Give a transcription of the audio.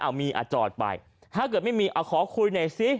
อ้าวมีจอดไปถ้าเกิดไม่มีขอคุยหน่อยซิ